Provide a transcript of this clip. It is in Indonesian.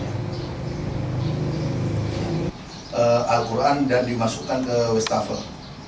al quran dan dimasukkan ke wastafel